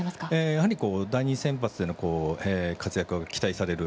やはり第２先発での活躍が期待される